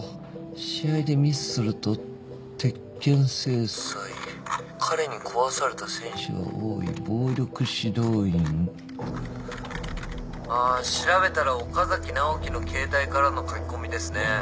「試合でミスすると鉄拳制裁」「彼に壊された選手は多い」「暴力指導員」あ調べたら岡崎直樹の携帯からの書き込みですね。